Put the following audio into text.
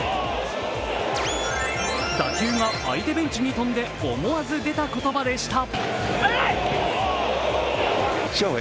打球が相手ベンチに飛んで、思わず出た言葉でした。